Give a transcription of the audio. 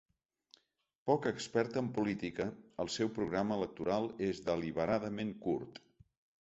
Poc experta en política, el seu programa electoral és deliberadament curt.